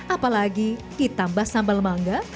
apalagi ditambah sambal mangga